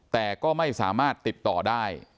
แต่ก็ไม่สามารถติดต่อได้